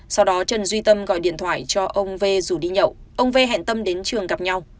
sau đó trần duy tâm gọi điện thoại cho ông vù đi nhậu ông v hẹn tâm đến trường gặp nhau